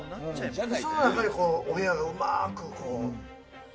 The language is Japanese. その中にお部屋がうまく。